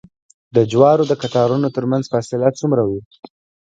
د جوارو د قطارونو ترمنځ فاصله څومره وي؟